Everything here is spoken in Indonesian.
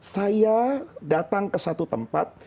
saya datang ke satu tempat